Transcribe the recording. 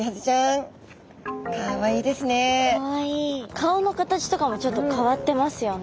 顔の形とかもちょっと変わってますよね。